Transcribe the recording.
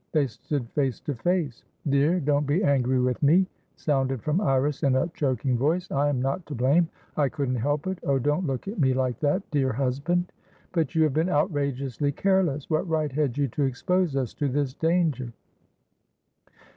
They stood face to face. "Dear, don't be angry with me!" sounded from Iris in a choking voice. "I am not to blameI couldn't help itoh don't look at me like that, dear husband!" "But you have been outrageously careless! What right had you to expose us to this danger?